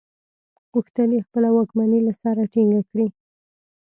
غوښتل یې خپله واکمني له سره ټینګه کړي.